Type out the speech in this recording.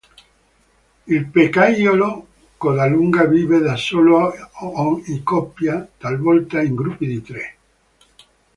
Il pecchiaiolo codalunga vive da solo o in coppia, talvolta in gruppi di tre.